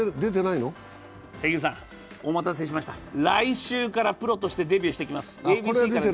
お待たせしました、来週からプロとしてデビューしてきます。